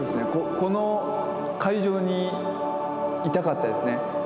この会場にいたかったですね。